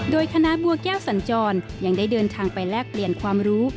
โดยคณะบัวแก้วสัญจรยังได้เดินทางไปแลกเปลี่ยนความรู้